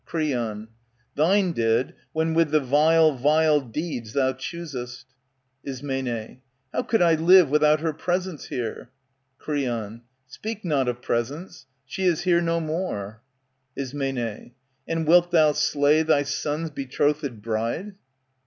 Creon, Thine did, when, with the vile, vile deeds thou choosest. Ism, How could I live without her presence here ? Creon, Speak not of presence. She is here no more. Ism, And wilt thou slay thy son's betrothed bride